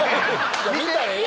見たらええ！